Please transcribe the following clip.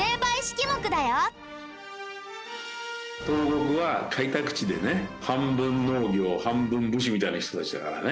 東国は開拓地でね半分農業半分武士みたいな人たちだからね